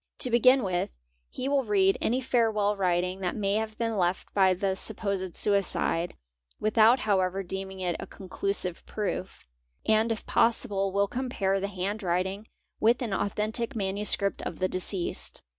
To begin with, he will read any farewell | writing that may have been left by the supposed suicide, without however deeming it a conclusive proof, and if possible will compare the handwriting with an authentic manuscript of the deceased.